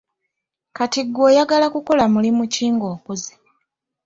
Kati gwe oyagala kukola mulimu ki nga okuze?